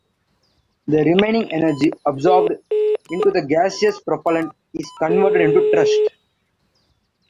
The remaining energy absorbed into the gaseous propellant is converted into thrust.